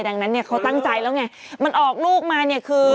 ดังนั้นเนี่ยเขาตั้งใจแล้วไงมันออกลูกมาเนี่ยคือ